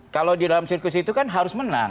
kalau di dalam sirkus itu kan harus menang